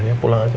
ya pulang aja